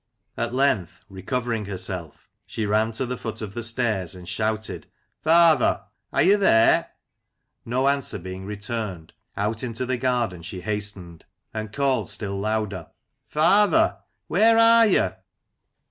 At length recovering herself, she ran to the foot of io6 Lancashire Characters and Places. the stairs and shouted "Father! are you there?" No answer being returned, out into the garden she hastened, and called still louder " Father ! where are you